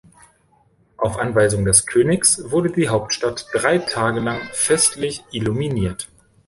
Auf Anweisung des Königs wurde die Hauptstadt drei Tage lang festlich illuminiert.